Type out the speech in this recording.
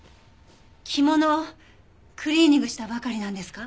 着物クリーニングしたばかりなんですか？